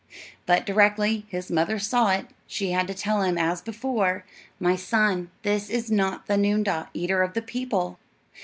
But directly his mother saw it, she had to tell him, as before, "My son, this is not the noondah, eater of the people."